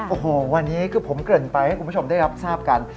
โอ้โหวันนี้คือผมเกริ่นไปให้คุณผู้ชมได้รับทราบกัน